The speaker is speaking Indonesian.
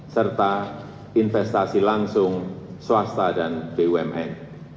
serta investasi langsung swasta dan bumn